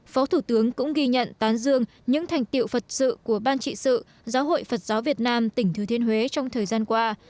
phó thủ tướng cũng ghi nhận tán dương những thành tiệu phật sự của ban trị sự giáo hội phật giáo việt nam tỉnh thừa thiên huế trong thời gian qua